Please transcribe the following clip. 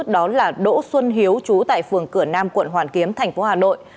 đó là đỗ xuân hiếu trú tại phường cửa nam quận hoàn kiếm tp hà nội